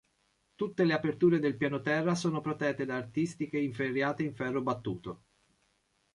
Tutte le aperture del pianoterra sono protette da artistiche inferriate in ferro battuto.